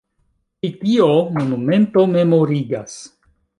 Pri tio monumento memorigas.